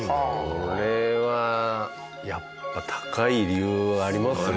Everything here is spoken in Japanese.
これはやっぱ高い理由ありますよね。